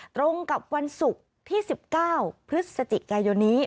ตรงกับวันศุกร์ที่๑๙พฤศจิกายนนี้